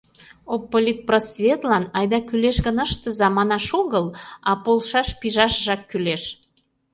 Обполитпросветлан «айда кӱлеш гын, ыштыза» манаш огыл, а полшаш пижашыжак кӱлеш.